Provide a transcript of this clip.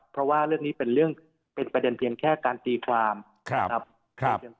เพราะว่าเรื่องนี้เป็นเรื่องเป็นประเด็นเพียงแค่การตีความนะครับ